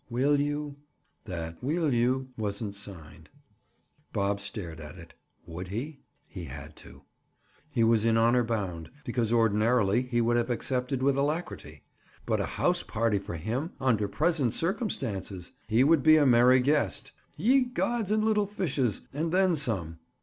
"Will you?" That "Will you?" wasn't signed. Bob stared at it. Would he? He had to. He was in honor bound, because ordinarily he would have accepted with alacrity. But a house party for him, under present circumstances! He would be a merry guest. Ye gods and little fishes! And then some!